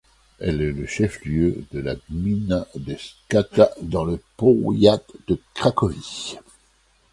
Elle est le chef-lieu de la gmina de Skała, dans le powiat de Cracovie.